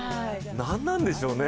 何なんでしょうね。